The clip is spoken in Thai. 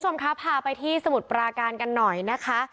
ผู้ชมครับพาไปที่สมุดปราการกันหน่อยนะคะ